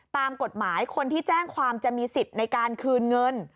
ตามกฎหมายคนที่แจ้งความจะมีสิทธิ์ในการคืนเงิน